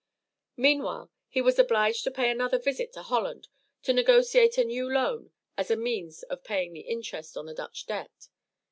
Meanwhile he was obliged to pay another visit to Holland to negotiate a new loan as a means of paying the interest on the Dutch debt.